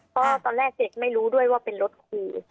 ก็ตอนแรกเด็กไม่รู้ด้วยว่าเป็นรถขี่